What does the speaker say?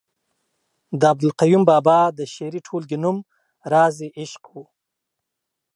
د عبدالقیوم بابا د شعري ټولګې نوم رازِ عشق ؤ